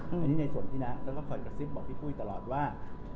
อันนี้ในส่วนพี่นะแล้วก็คอยกระซิบบอกพี่ปุ้ยตลอดว่า